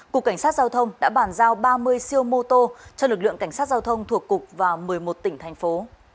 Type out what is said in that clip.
cục cảnh sát giao thông đã bàn giao ba mươi siêu mô tô cho lực lượng cảnh sát giao thông thuộc cục và một mươi một tỉnh thành phố